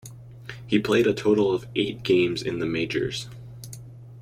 He played a total of eight games in the majors.